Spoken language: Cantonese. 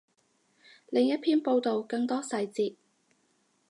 另一篇报道，更多细节